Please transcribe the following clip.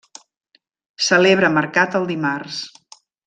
Celebra mercat el dimarts.